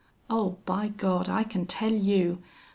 Oh, by God! I can tell you!...